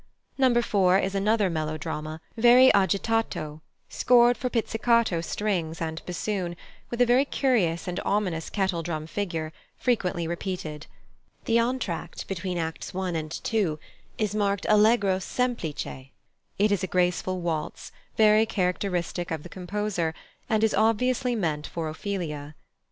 No. 4 is another melodrama, very agitato, scored for pizzicato strings and bassoon, with a very curious and ominous kettledrum figure, frequently repeated. The entr'acte between Acts i. and ii. is marked allegro semplice; it is a graceful waltz, very characteristic of the composer, and is obviously meant for Ophelia.